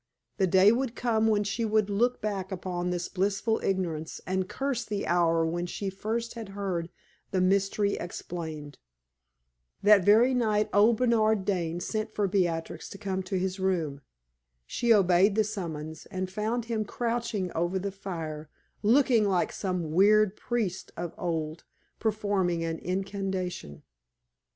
The day would come when she would look back upon this blissful ignorance and curse the hour when first she had heard the mystery explained. That very night old Bernard Dane sent for Beatrix to come to his room. She obeyed the summons, and found him crouching over the fire, looking like some weird priest of old performing an incantation.